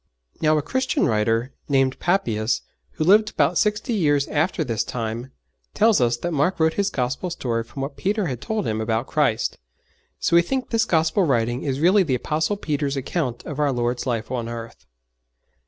Now a Christian writer, named Papias, who lived about sixty years after this time, tells us that Mark wrote his Gospel story from what Peter had told him about Christ; so we think this Gospel writing is really the Apostle Peter's account of our Lord's life on earth.